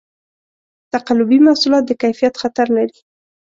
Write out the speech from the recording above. تقلبي محصولات د کیفیت خطر لري.